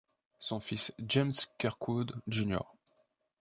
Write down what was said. Son fils James Kirkwood Jr.